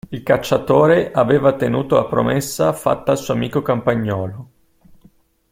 Il cacciatore aveva tenuto la promessa fatta al suo amico campagnolo.